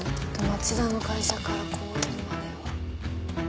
町田の会社から公園までは。